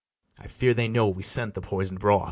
I fear they know we sent the poison'd broth.